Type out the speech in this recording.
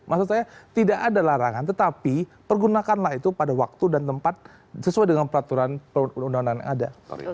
maksud saya tidak ada larangan tetapi pergunakanlah itu pada waktu dan tempat sesuai dengan peraturan perundangan yang ada